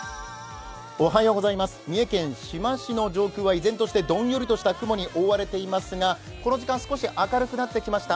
三重県志摩市の上空は依然としてどんよりとした雲に覆われていますがこの時間、少し明るくなってきました。